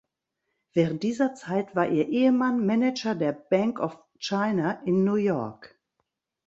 Während dieser Zeit war ihr Ehemann Manager der Bank of China in New York.